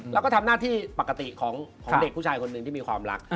แล้วก็ทำหน้าที่ปกติของเด็กผู้ชายคนหนึ่งที่มีความรัก